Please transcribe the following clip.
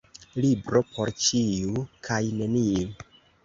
Libro por ĉiu kaj neniu.